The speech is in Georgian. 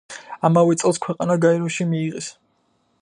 ამავე წელს ქვეყანა გაეროში მიიღეს.